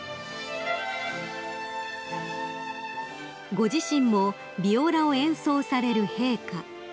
［ご自身もビオラを演奏される陛下］